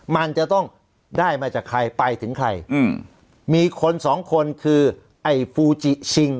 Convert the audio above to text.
มันจะต้องได้มาจากใครไปถึงใครอืมมีคนสองคนคือไอ้ฟูจิชิง